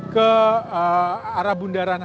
ke arah bundaran hi